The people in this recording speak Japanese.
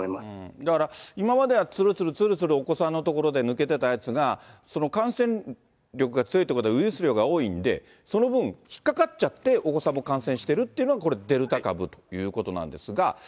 だから、今まではつるつるつるつるお子さんのところで抜けてたやつが、その感染力が強いということはウイルス量が多いんで、その分、引っ掛かっちゃって、お子さんも感染してるっていうのが、これ、デルタ株ということなんですが。